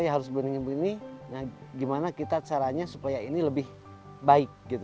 ya harus begini begini gimana caranya supaya ini lebih baik